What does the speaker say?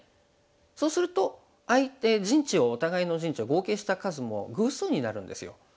そうするとお互いの陣地を合計した数も偶数になるんですよ。